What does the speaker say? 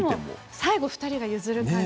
最後２人が譲る感じ